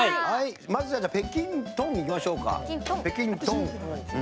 まずは「北京トン」いきましょうか。